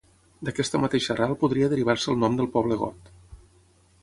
D'aquesta mateixa arrel podria derivar-se el nom del poble got.